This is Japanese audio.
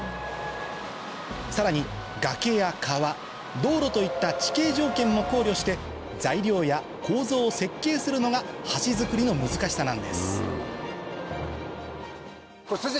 さらに崖や川道路といった地形条件も考慮して材料や構造を設計するのが橋造りの難しさなんです先生